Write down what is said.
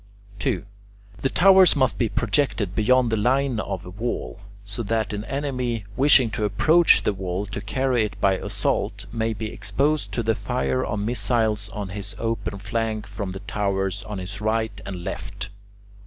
2. The towers must be projected beyond the line of wall, so that an enemy wishing to approach the wall to carry it by assault may be exposed to the fire of missiles on his open flank from the towers on his right and left.